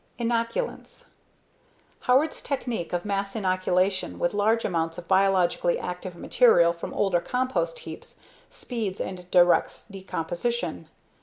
Inoculants Howard's technique of mass inoculation with large amounts of biologically active material from older compost heaps speeds and directs decomposition.